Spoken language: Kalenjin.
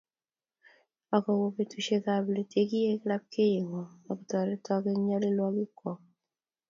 Akobwa betushek ab let ye kiek lapkeyengwong akotoritok eng nyalilwogik kwok